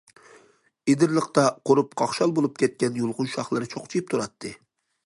ئېدىرلىقتا قۇرۇپ قاقشال بولۇپ كەتكەن يۇلغۇن شاخلىرى چوقچىيىپ تۇراتتى.